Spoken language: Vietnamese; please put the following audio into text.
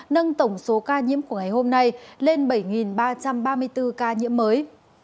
nâng tổng số ca nhiễm của ngày hôm nay lên bảy ba trăm ba mươi bốn ca nhiễm mới